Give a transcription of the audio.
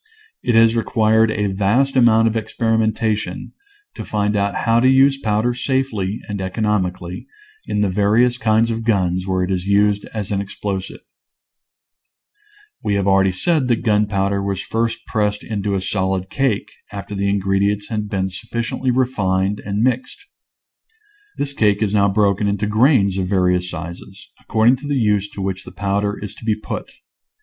It has required a vast amount of experimentation to find out how to use powder safely and economically in the various kinds of guns where it is used as an explosive. We have already said that gunpowder was / I . Original from UNIVERSITY OF WISCONSIN 222 Hature'6 Airacteft. first pressed into a solid cake, after the in gredients had been sufficiently refined and mixed. This cake is now broken into grains of various sizes, according to the use to which the powder is to be put.